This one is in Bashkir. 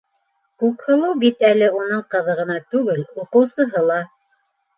Күкһылыу бит әле уның ҡыҙы ғына түгел, уҡыусыһы ла.